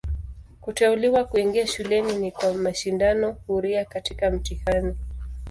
Kuteuliwa kuingia shuleni ni kwa mashindano huria katika mtihani.